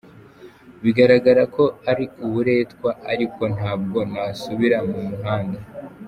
Bigaragara ko ari uburetwa, ariko ntabwo nasubira mu muhanda.